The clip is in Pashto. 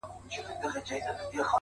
خــو ســــمـدم;